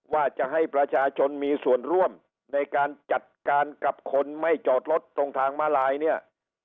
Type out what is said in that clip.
ว่าจะให้ประชาชนมีส่วนร่วมในการจัดการกับคนไม่จอดรถตรงทางมาลายเนี่ย